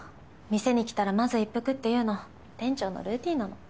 店に来たらまず一服っていうの店長のルーティンなの。